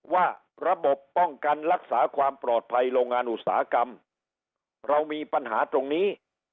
ว่าระบบป้องกันรักษาความปลอดภัยโรงงานอุตสาหกรรมเรามีปัญหาตรงนี้